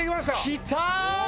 来た！